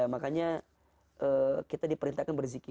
makanya kita diperintahkan berzikir